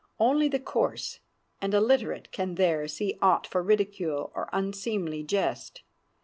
Only the coarse and illiterate can there see aught for ridicule or unseemly jest.